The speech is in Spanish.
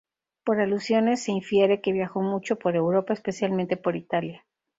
Por alusiones se infiere que viajó mucho por Europa, especialmente por Italia.